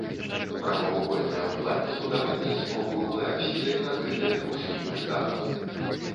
Прамавугольнае ў плане збудаванне з паўкруглай апсідай накрытае двухсхільным дахам.